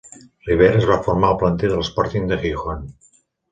Rivera es va formar al planter de l'Sporting de Gijón.